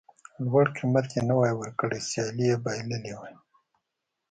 لوړ قېمت یې نه وای ورکړی سیالي یې بایللې وای.